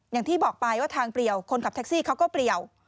อย่างที่บอกไปว่าทางเปรียวคนขับแท็กซี่เขาก็เปรียว